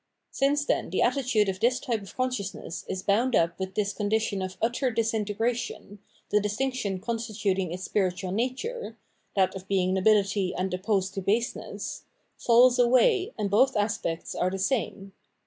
Since, then, the attitude of this type of consciousness is boimd up with this condition of utter disintegration, the distinction constituting its spiritual nature — that of being nobility and opposed to baseness — falls away and both aspects are the same.